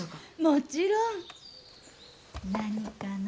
もちろん。何かな？